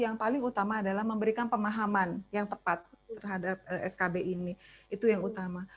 yang paling utama adalah memberikan pemahaman yang tepat terhadap skb ini itu yang utama